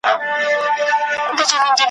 هى افسوس چي پر تا تېر سول زر كلونه `